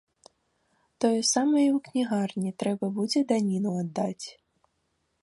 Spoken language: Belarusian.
Тое самае і ў кнігарні трэба будзе даніну аддаць.